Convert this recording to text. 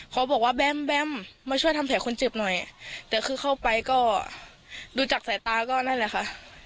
เขาบอกว่าแบมแบมมาช่วยทำแผลคนเจ็บหน่อยแต่คือเข้าไปก็ดูจากสายตาก็นั่นแหละค่ะ